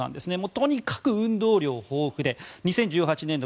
とにかく運動量豊富で２０１８年度